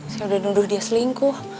saya udah nuduh dia selingkuh